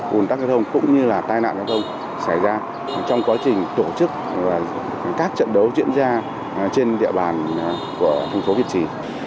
ủn tắc giao thông cũng như là tai nạn giao thông xảy ra trong quá trình tổ chức các trận đấu diễn ra trên địa bàn của thành phố việt trì